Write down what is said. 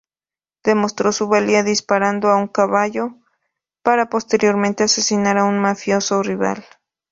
Demostró su "valía" disparando a un caballo para, posteriormente, asesinar a un mafioso rival.